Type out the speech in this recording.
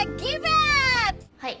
はい。